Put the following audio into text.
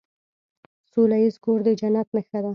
سوله ایز کور د جنت نښه ده.